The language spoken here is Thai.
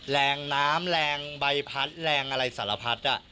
แรงน้ำแรงใบพัดแรงอะไรสารพัด